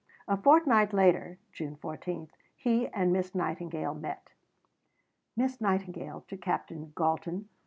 A fortnight later (June 14) he and Miss Nightingale met: (_Miss Nightingale to Captain Galton.